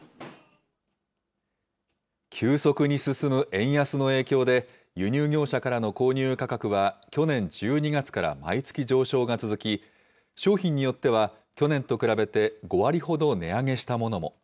急速に進む円安の影響で、輸入業者からの購入価格は、去年１２月から毎月上昇が続き、商品によっては、去年と比べて５割ほど値上げしたものも。